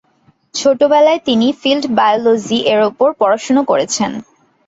ছোটবেলায় তিনি 'field biology' এর উপর পড়াশোনা করেছেন।